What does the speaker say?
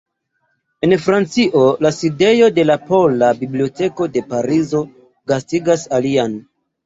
En Francio, la sidejo de la Pola Biblioteko de Parizo gastigas alian.